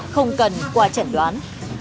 không cần qua trận đoán